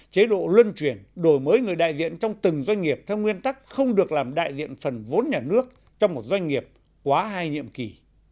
chế độ luân chuyển đổi mới người đại diện trong từng doanh nghiệp theo nguyên tắc không được làm đại diện phần vốn nhà nước trong một doanh nghiệp quá hai nhiệm kỳ